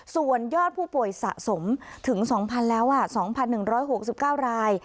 ส่วนยอดผู้ป่วยสะสมถึง๒๐๐๐แล้ว๒๑๖๙ราย